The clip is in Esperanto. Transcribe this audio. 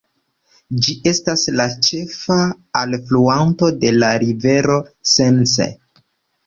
Ĝi estas la ĉefa alfluanto de la rivero Sense.